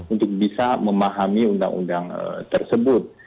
untuk bisa memahami undang undang tersebut